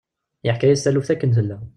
Yeḥka-yas taluft akken tella.